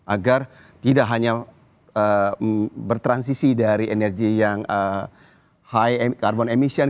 agar tidak hanya bertransisi dari energi yang high carbon emission